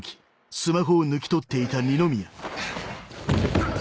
うっ！